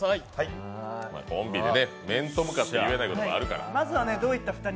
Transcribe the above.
コンビで面と向かって言えないこともあるから。